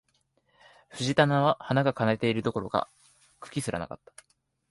藤棚は花が枯れているどころか、蔓すらなかった